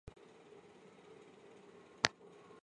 墨脱吊石苣苔为苦苣苔科吊石苣苔属下的一个种。